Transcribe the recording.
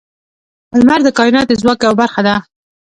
• لمر د کائنات د ځواک یوه برخه ده.